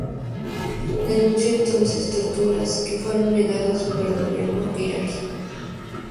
Denunció entonces torturas, que fueron negadas por el gobierno iraquí.